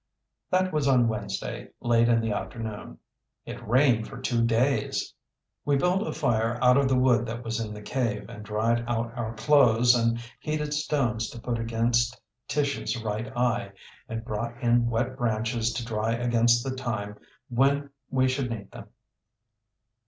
That was on Wednesday, late in the afternoon. It rained for two days! We built a fire out of the wood that was in the cave, and dried out our clothes, and heated stones to put against Tish's right eye, and brought in wet branches to dry against the time when we should need them.